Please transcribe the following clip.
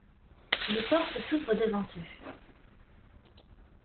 Les portes s'ouvrent devant eux.